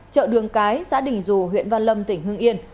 chợ đường cái xã đình dù huyện văn lâm tỉnh hưng yên